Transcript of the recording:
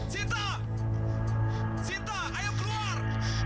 sinta sinta ayo keluar